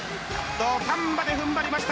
土壇場でふんばりました！